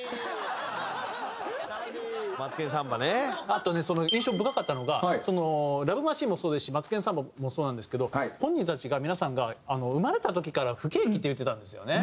あとねその印象深かったのが『ＬＯＶＥマシーン』もそうですし『マツケンサンバ』もそうなんですけど本人たちが皆さんが「生まれた時から不景気」って言ってたんですよね。